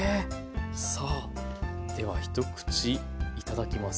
さあでは一口いただきます。